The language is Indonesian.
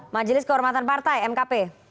majelis kehormatan partai mkp